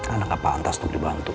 anda tidak pantas untuk dibantu